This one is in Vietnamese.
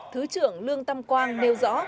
thứ trưởng lương tam quang nêu rõ